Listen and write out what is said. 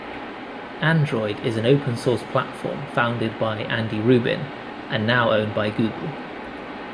Android is an open-source platform founded by Andy Rubin and now owned by Google.